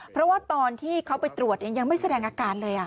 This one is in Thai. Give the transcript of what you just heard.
เพราะว่าตอนที่เขาไปตรวจยังไม่แสดงอาการเลย